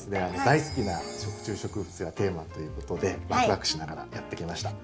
大好きな食虫植物がテーマということでワクワクしながらやって来ました。